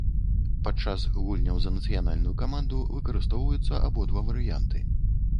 Падчас гульняў за нацыянальную каманду выкарыстоўваюцца абодва варыянты.